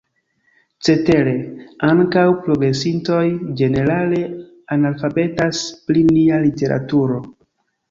Cetere, ankaŭ progresintoj ĝenerale analfabetas pri nia literaturo.